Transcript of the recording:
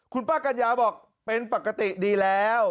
คุณป้ากัญญาบอกเป็นปกติดีแล้ว